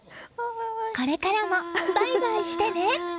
これからもバイバイしてね！